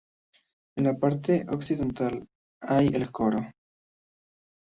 En la parte occidental hay el coro.